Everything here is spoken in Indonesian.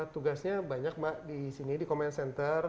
tugasnya banyak mbak di sini di command center